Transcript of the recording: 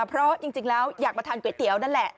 เพราะจริงแล้วอยากมาทานก๋วยเตี๋ยวนั่นแหละ